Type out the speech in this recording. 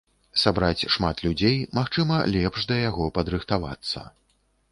Сабраць шмат людзей, магчыма, лепш да яго падрыхтавацца.